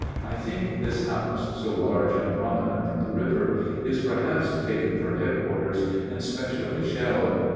I think this house, so large and prominent from the river, is perhaps taken for headquarters and specially shelled.